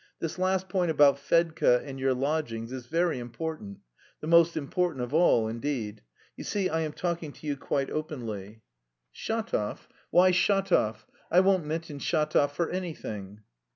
This last point about Fedka and your lodgings is very important the most important of all, indeed. You see, I am talking to you quite openly." "Shatov? Why Shatov? I won't mention Shatov for anything."